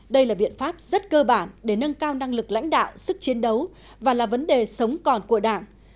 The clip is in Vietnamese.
đây là biện pháp rất cơ bản để nâng cao năng lực lãnh đạo sức chiến đấu và là vấn đề sống còn của đảng